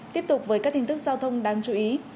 tiếp tục với các tin tức giao thông đáng chú ý